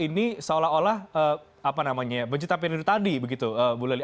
oh ini seolah olah benci tapi rindu tadi begitu bu lali